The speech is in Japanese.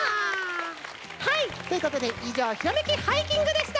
はいということでいじょうひらめきハイキングでした。